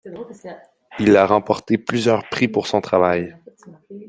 Il a remporté plusieurs prix pour son travail.